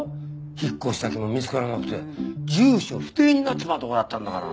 引っ越し先も見つからなくて住所不定になっちまうとこだったんだから。